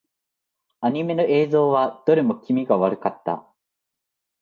アニメの映像はどれも気味が悪かった。